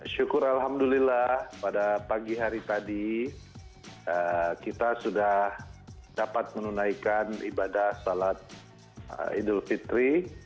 syukur alhamdulillah pada pagi hari tadi kita sudah dapat menunaikan ibadah salat idul fitri